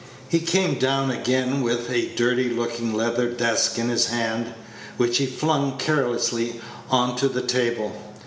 He came down again with a dirty looking leather desk in his hand, which he flung carelessly on to the table.